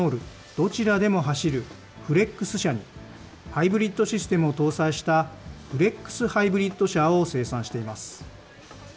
どちらでも走るフレックス車に、ハイブリッドシステムを搭載したフレックス・ハイブリッド車を生産しています。